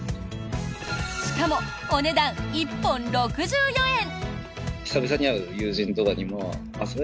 しかも、お値段１本６４円！